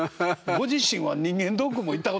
ご自身は人間ドックも行ったことはない？